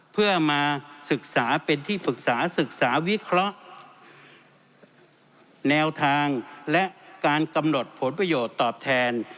เพื่อมาศึกษาเป็นที่ปรึกษาศึกษาวิเคราะห์แนวทางและการกำหนดผลประโยชน์ตอบแทน